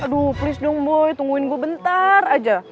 aduh please dong boy tungguin gua bentar aja